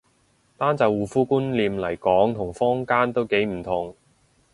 單就護膚觀念嚟講同坊間都幾唔同